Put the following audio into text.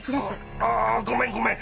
ああごめんごめん。